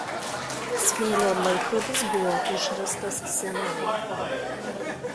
Smėlio laikrodis buvo išrastas senovėje.